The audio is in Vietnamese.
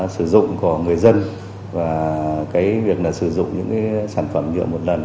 sử dụng của người dân và cái việc là sử dụng những cái sản phẩm nhựa một lần